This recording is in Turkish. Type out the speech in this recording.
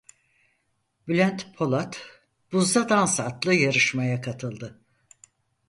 Bülent Polat Buzda Dans adlı yarışmaya katıldı.